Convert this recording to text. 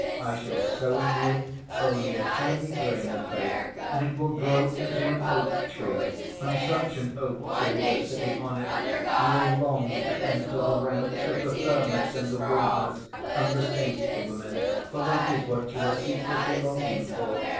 I shall sow in you only a tiny grain of faith and it will grow into an oak‐tree—and such an oak‐tree that, sitting on it, you will long to enter the ranks of 'the hermits in the wilderness and the saintly women,' for that is what you are secretly longing for.